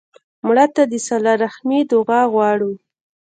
مړه ته د صله رحمي دعا غواړو